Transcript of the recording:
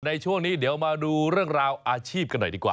ในช่วงนี้เดี๋ยวมาดูเรื่องราวอาชีพกันหน่อยดีกว่า